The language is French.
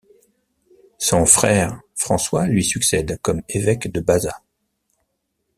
Son frère François lui succède comme évêque de Bazas.